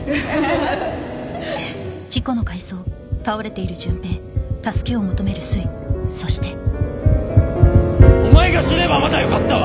はっお前が死ねばまだよかったわ！